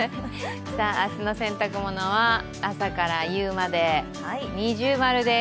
明日の洗濯物は朝から夕まで◎です。